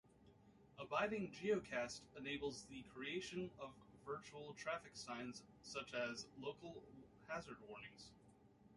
Abiding geocast enables the creation of virtual traffic signs such as local hazard warnings.